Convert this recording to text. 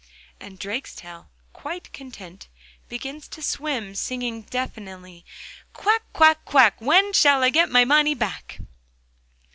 And Drakestail, quite content, begins to swim, singing deafeningly, 'Quack, quack, quack, when shall I get my money back?